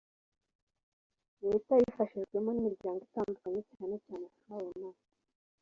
leta ibifashijwemo n imiryango itandukanye cyane cyane fawe na